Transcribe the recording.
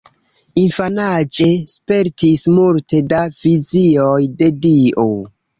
Infanaĝe spertis multe da vizioj de Dio.